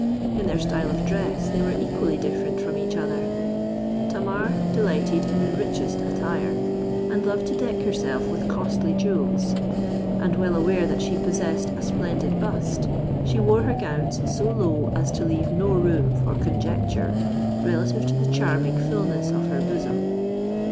In their style of dress they were equally different from each other. Tamar delighted in the richest attire, and loved to deck herself with costly jewels; and, well aware that she possessed a splendid bust, she wore her gowns so low as to leave no room for conjecture relative to the charming fullness of her bosom.